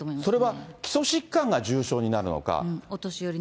それは基礎疾患が重症になるのか。